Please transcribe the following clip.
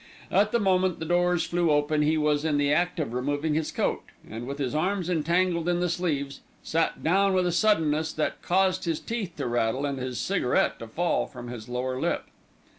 At the moment the doors flew open he was in the act of removing his coat and, with his arms entangled in its sleeves, sat down with a suddenness that caused his teeth to rattle and his cigarette to fall from his lower lip.